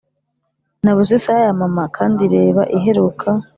nabuze isaha ya mama. kandi reba! iheruka,